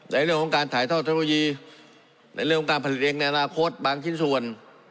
ในเรื่องของการถ่ายทอดเทคโนโลยีในเรื่องของการผลิตเองในอนาคตบางชิ้นส่วน